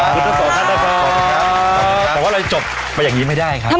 แต่ว่าเราจะจบไปอย่างนี้ไม่ได้ครับ